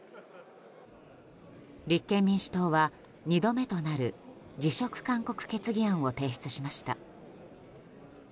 立憲民主党は２度目となる辞職勧告決議案を提出しました。